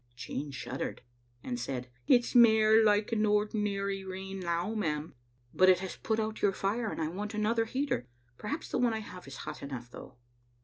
" Jean shuddered, and said, " It's mair like an ordinary rain now, ma'am. "" But it has put out your fire, and I wanted another heater. Perhaps the one I have is hot enough, though.